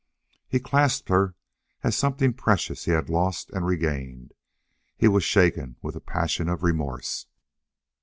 He clasped her as something precious he had lost and regained. He was shaken with a passion of remorse.